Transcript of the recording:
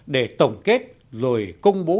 để tổng kết rồi công bố